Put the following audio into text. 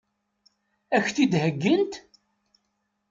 Ad k-t-id-heggint?